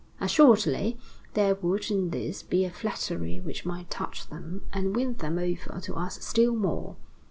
Assuredly, there would in this be a flattery which might touch them and win them over to us still more.